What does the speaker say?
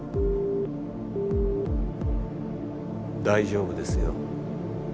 大丈夫ですよ。